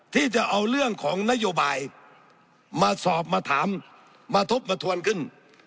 ที่จะเอาเรื่องของนโยบายมาสอบมาถามมาทบทวนขึ้น